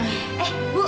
termasuk bu nena